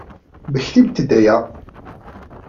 Mmektimt-d aya!